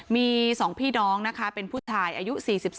มี๒พี่น้องนะคะเป็นผู้ชายอายุ๔๒